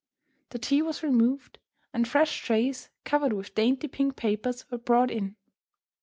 The tea was removed, and fresh trays, covered with dainty pink papers, were brought in.